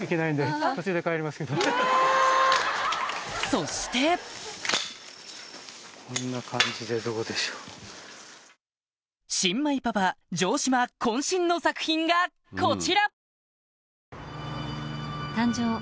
そして新米パパ城島渾身の作品がこちら！